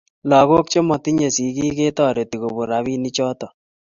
lagook chematinyei sigiik ketoreti kobuno robinichoto